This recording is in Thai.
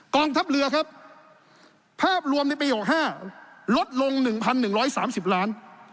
กองทัพเรือครับภาพรวมในประโยค๕ลดลง๑๑๓๐ล้าน